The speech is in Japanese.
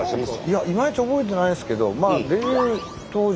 いやいまいち覚えてないですけどデビュー当時。